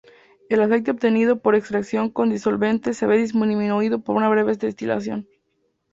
El aceite obtenido por extracción con disolvente se ve disminuido por una breve destilación.